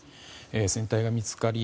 船体が見つかり